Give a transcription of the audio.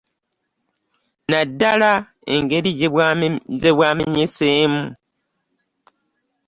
Naddala engeri gye bwamenyeseemu.